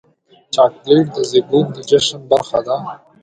چاکلېټ د زیږون د جشن برخه ده.